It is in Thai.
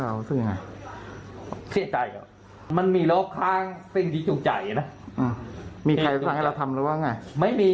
เศรษฐกับมันมีโลกข้างเป็นอยู่ใจนะมีใครว่าทำแล้วว่าง่ายไม่มี